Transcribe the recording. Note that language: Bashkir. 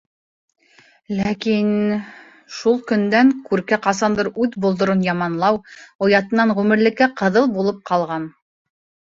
Ләкин... шул көндән Күркә ҡасандыр үҙ болдорон яманлау оятынан ғүмерлеккә ҡыҙыл булып ҡалған.